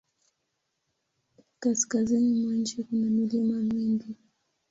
Kaskazini mwa nchi kuna milima mingi.